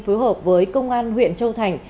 phối hợp với công an huyện châu thành